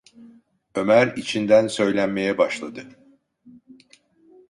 Ömer içinden söylenmeye başladı: